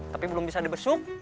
tapi belum bisa dibesuk